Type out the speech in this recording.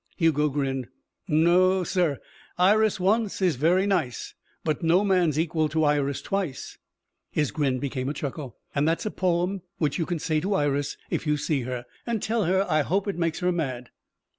Hugo grinned. "No, sir! Iris once is very nice, but no man's equal to Iris twice." His grin became a chuckle. "And that's a poem which you can say to Iris if you see her and tell her I hope it makes her mad."